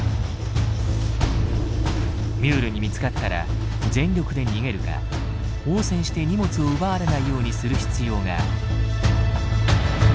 ミュールに見つかったら全力で逃げるか応戦して荷物を奪われないようにする必要がある。